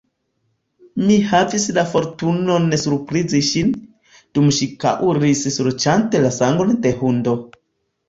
Mi havis la fortunon surprizi ŝin, dum ŝi kaŭris suĉante la sangon de hundo.